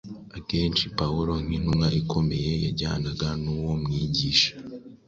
Akenshi Pawulo nk’intumwa ikomeye yajyanaga n’uwo mwigisha